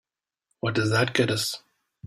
What does that get us?